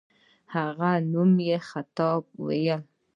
هغه په نوم یې خطبه وویل.